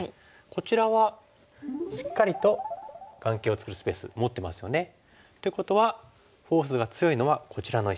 こちらはしっかりと眼形を作るスペース持ってますよね。ということはフォースが強いのはこちらの石。